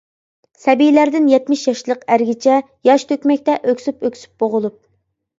سەبىيلەردىن يەتمىش ياشلىق ئەرگىچە، ياش تۆكمەكتە ئۆكسۈپ-ئۆكسۈپ بوغۇلۇپ.